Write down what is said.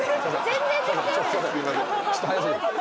ちょっと早過ぎた。